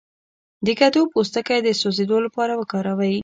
د کدو پوستکی د سوځیدو لپاره وکاروئ